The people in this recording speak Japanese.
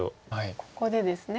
ここでですね。